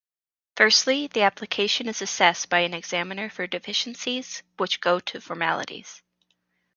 Firstly, the application is assessed by an examiner for deficiencies which go to formalities.